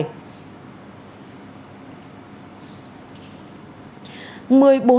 một mươi bốn tàu tàu